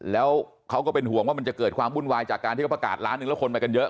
แล้วเขาก็เป็นห่วงว่ามันจะเกิดความวุ่นวายจากการที่เขาประกาศล้านหนึ่งแล้วคนมากันเยอะ